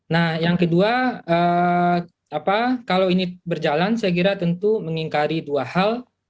nah yang kedua kalau ini berjalan saya kira tentu mengingkari dua hal